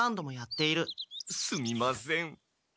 すみません。